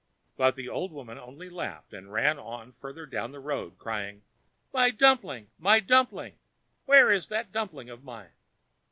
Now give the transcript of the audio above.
But the old woman only laughed, and ran on farther down the road, crying: "My dumpling! my dumpling! Where is that dumpling of mine?"